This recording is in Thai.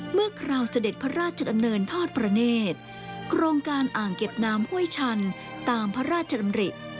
คราวเสด็จพระราชดำเนินทอดประเนธโครงการอ่างเก็บน้ำห้วยชันตามพระราชดำริ